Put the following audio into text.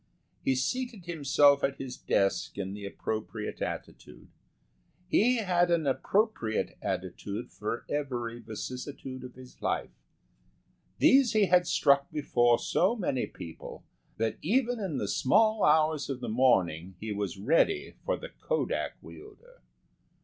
He seated himself at his desk in the appropriate attitude. He had an appropriate attitude for every vicissitude of his life. These he had struck before so many people that even in the small hours of the morning he was ready for the kodak wielder.